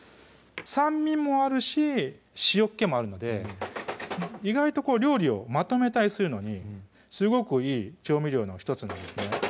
酸味もあるし塩っけもあるので意外と料理をまとめたりするのにすごくいい調味料の１つなんですね